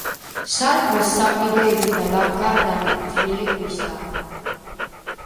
სარკმლის საპირეები და ლავგარდანი თლილი ქვისაა.